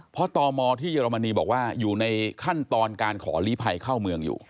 เพราะตมที่เยอรมนีบอกว่าอยู่ในขั้นตอนการขอลีภัยเข้าเมืองอยู่